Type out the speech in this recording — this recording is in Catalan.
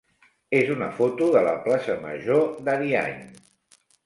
és una foto de la plaça major d'Ariany.